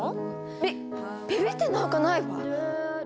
びびびってなんかないわ！